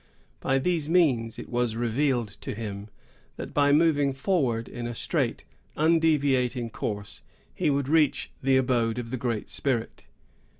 By these means it was revealed to him, that, by moving forward in a straight, undeviating course, he would reach the abode of the Great Spirit.